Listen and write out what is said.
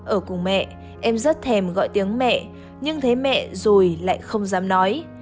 ở cùng mẹ em rất thèm gọi tiếng mẹ nhưng thế mẹ rồi lại không dám nói